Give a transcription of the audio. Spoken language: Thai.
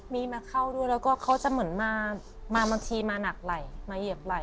มีมาเข้าด้วยแล้วก็เขาจะเหมือนมาบางทีมาหนักไหลมาเหยียบไหล่